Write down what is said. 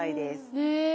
へえ。